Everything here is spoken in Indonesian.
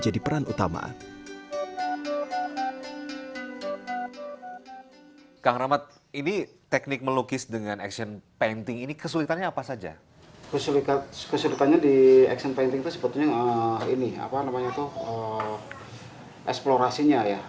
di action painting itu sebetulnya ini apa namanya itu eksplorasinya ya